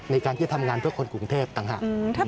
ในการที่จะทำงานเพื่อคนกรุงเทพต่างหาก